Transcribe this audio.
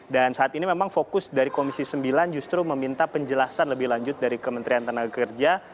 dan saat ini memang fokus dari komisi sembilan justru meminta penjelasan lebih lanjut dari kementerian tanaga kerja